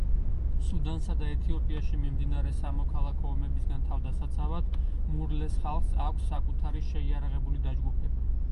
სუდანსა და ეთიოპიაში მიმდინარე სამოქალაქო ომებისგან თავდასაცავად მურლეს ხალხს აქვს საკუთარი შეიარარებული დაჯგუფება.